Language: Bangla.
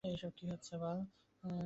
এসব কী হচ্ছে বাল?